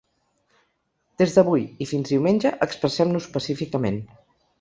Des d'avui i fins diumenge, expressem-nos pacíficament.